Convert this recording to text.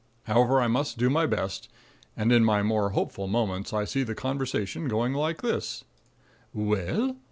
However, I must do my best; and in my more hopeful moments I see the conversation going like this: "Well?"